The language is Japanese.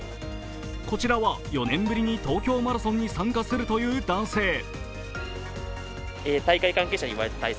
こちらは４年ぶりに東京マラソンに参加するという男性。